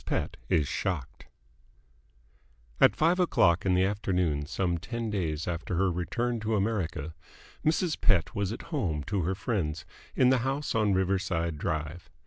PETT IS SHOCKED At five o'clock in the afternoon some ten days after her return to America, Mrs. Pett was at home to her friends in the house on Riverside Drive.